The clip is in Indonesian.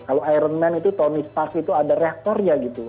kalau iron man itu tony stars itu ada reaktornya gitu